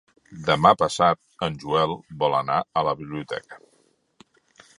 Demà passat en Joel vol anar a la biblioteca.